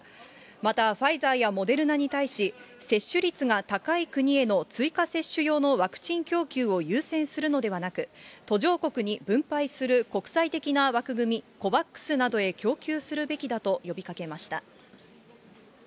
また、ファイザーやモデルナに対し、接種率が高い国への追加接種用のワクチン供給を優先するのではなく、途上国に分配する国際的な枠組み、ＣＯＶＡＸなどへ供給するべきだと呼びかけました。